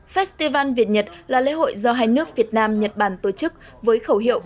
festival việt nhật là lễ hội do hai nước việt nam nhật bản tổ chức với khẩu hiệu